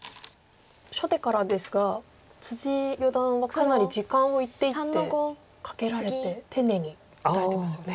初手からですが四段はかなり時間を一手一手かけられて丁寧に打たれてますよね。